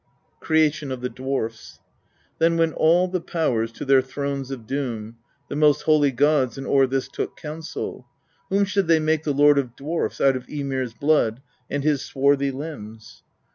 (Creation of the Dwarfs.) 9. Then went all the Powers to their thrones of doom, the most holy gods, and o'er this took counsel : whom should they make the lord of dwarfs out of Ymir's blood, and his swarthy limbs.